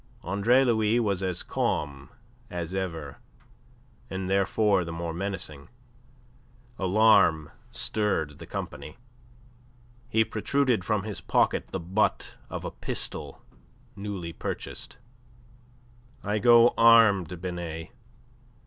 Andre Louis was as calm as ever, and therefore the more menacing. Alarm stirred the company. He protruded from his pocket the butt of a pistol newly purchased. "I go armed, Binet.